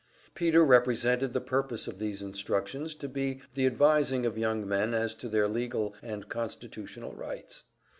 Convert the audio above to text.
Peter represented the purpose of these instructions to be the advising of young men as to their legal and constitutional rights.